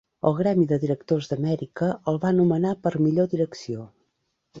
El Gremi de Directors d'Amèrica el va nomenar per a Millor Direcció.